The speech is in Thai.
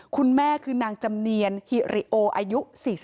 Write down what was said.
คุณแม่คือนางจำเนียนฮิริโออายุ๔๒